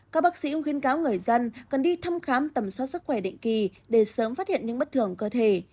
các bác sĩ khuyên cáo người dân cần đi thăm khám tầm soát sức khỏe định kỳ để sớm phát hiện những bất thường cơ thể